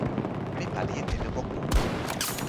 mi pali e telo moku.